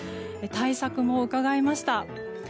対策も伺いました。